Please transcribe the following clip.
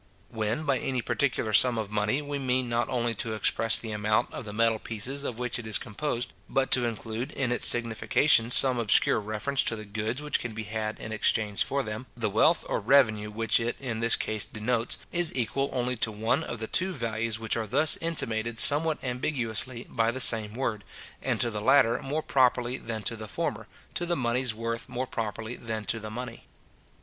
When, by any particular sum of money, we mean not only to express the amount of the metal pieces of which it is composed, but to include in its signification some obscure reference to the goods which can be had in exchange for them, the wealth or revenue which it in this case denotes, is equal only to one of the two values which are thus intimated somewhat ambiguously by the same word, and to the latter more properly than to the former, to the money's worth more properly than to the money.